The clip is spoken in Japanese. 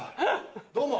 どうも。